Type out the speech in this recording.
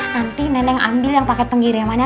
nanti neneng ambil yang pake penggirimannya